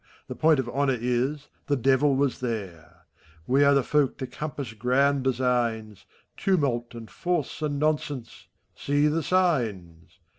The point ot honor is, the Devil was there ! We are the folk to eompiass grand designs : Tumulty and Force, and Nonsense! See the signs!